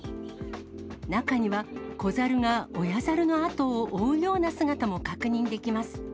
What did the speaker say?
中には子ザルが親ザルの後を追うような姿も確認できます。